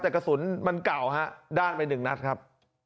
แต่กระสุนมันเก่าฮะด้านไปหนึ่งนัดครับ